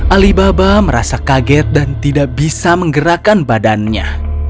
alibaba merasa kaget dan tidak bisa menggerakkan badannya